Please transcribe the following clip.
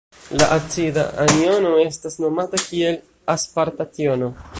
La acida anjono estas nomata kiel aspartat-jono.